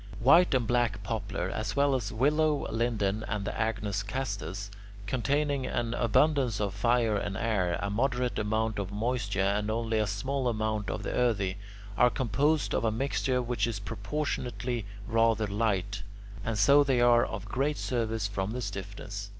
White and black poplar, as well as willow, linden, and the agnus castus, containing an abundance of fire and air, a moderate amount of moisture, and only a small amount of the earthy, are composed of a mixture which is proportionately rather light, and so they are of great service from their stiffness.